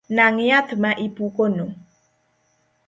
Nang’ yath ma ipukono